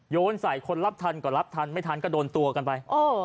โยนใส่คนรับทันก็รับทันไม่ทันก็โดนตัวกันไป